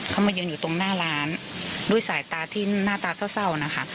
เขามายืนอยู่ตรงหน้าร้านด้วยสายตาที่หน้าตาเศร้านะคะ